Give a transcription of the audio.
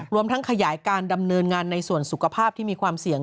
รวมทั้งขยายการดำเนินงานในส่วนสุขภาพที่มีความเสี่ยง